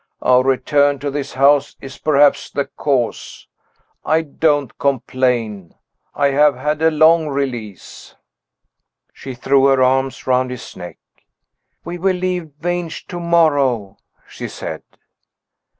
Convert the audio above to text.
Our return to this house is perhaps the cause. I don't complain; I have had a long release." She threw her arms round his neck. "We will leave Vange to morrow," she said.